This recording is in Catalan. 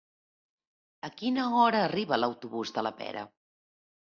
A quina hora arriba l'autobús de la Pera?